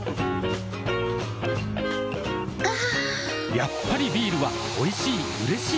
やっぱりビールはおいしい、うれしい。